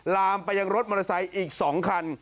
ลามไปยังรถมอเตอร์ไซค์อีก๒คัน